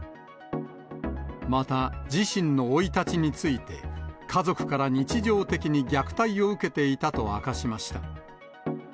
また、自身の生い立ちについて、家族から日常的に虐待を受けていたと明かしました。